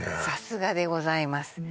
さすがでございます